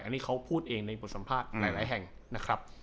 อันนี้เขาพูดเองในบทสัมภาษณ์หลายแห่งนะครับ